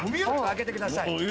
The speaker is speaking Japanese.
開けてください。